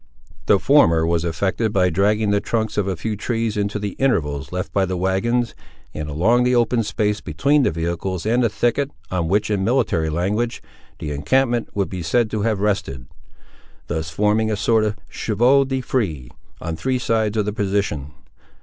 The former was effected by dragging the trunks of a few trees into the intervals left by the wagons, and along the open space between the vehicles and the thicket, on which, in military language, the encampment would be said to have rested; thus forming a sort of chevaux de frise on three sides of the position.